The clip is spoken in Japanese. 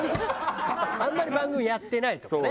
あんまり番組やってないとかね。